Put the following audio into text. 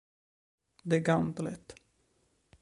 The Gauntlet